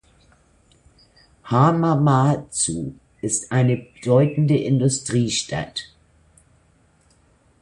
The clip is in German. Hamamatsu ist eine bedeutende Industriestadt.